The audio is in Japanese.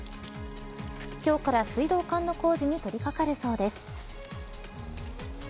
今日から水道管の工事に取り掛かるそうです。